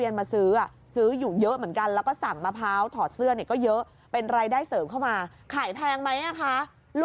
รูปสัตว์ต่างยาวข้ามปีแล้วนะคะ